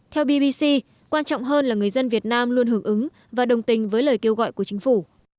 theo bbc quan trọng hơn là người dân việt nam luôn hưởng ứng và đồng tình với lời kêu gọi của chính phủ